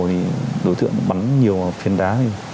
thì đối tượng bắn nhiều phiên đá